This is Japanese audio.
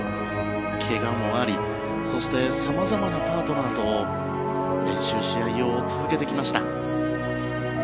けがもあり、そしてさまざまなパートナーと練習、試合を続けてきました。